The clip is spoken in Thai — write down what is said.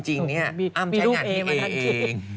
จริงนี่อ้ามใช้งานให้เอเอง